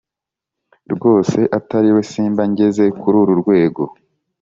rwose atariwe simba ngeze kururu rwego